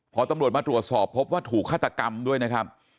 พอตำรวจมาตรวจสอบพบว่าถูกฆาตกรรมด้วยนะครับ